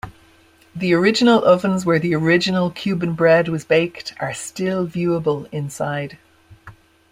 The original ovens where the original Cuban bread was baked are still viewable inside.